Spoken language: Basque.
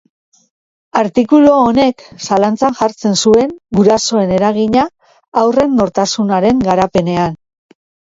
Artikulu honek, zalantzan jartzen zuen gurasoen eragina haurren nortasunaren garapenean.